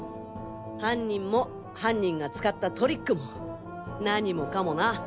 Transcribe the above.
犯人も犯人が使ったトリックも何もかもな！